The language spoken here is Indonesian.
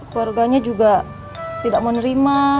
keluarganya juga tidak mau nerima